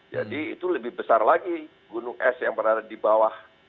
jadi itu lebih besar lagi gunung es yang pernah ada di bawah